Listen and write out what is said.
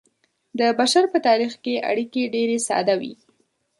د بشر په تاریخ کې اړیکې ډیرې ساده وې.